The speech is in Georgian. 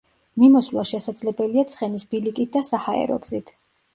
მიმოსვლა შესაძლებელია ცხენის ბილიკით და საჰაერო გზით.